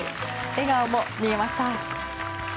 笑顔も見えました。